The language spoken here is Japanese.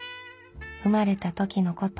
生まれた時のこと」。